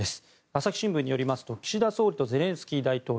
朝日新聞によりますと岸田総理とゼレンスキー大統領